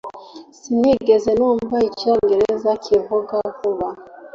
sinigeze numva icyongereza kivuga vuba